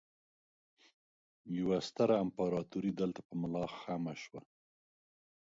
يوه ستره امپراتورۍ دلته په ملا خم شوه